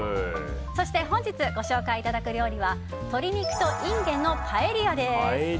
そして本日ご紹介いただく料理は鶏肉とインゲンのパエリアです。